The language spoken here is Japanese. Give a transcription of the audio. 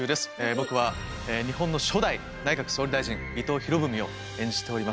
僕は日本の初代内閣総理大臣伊藤博文を演じております。